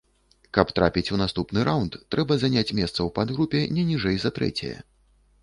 Каб трапіць у наступны раўнд, трэба заняць месца ў падгрупе не ніжэй за трэцяе.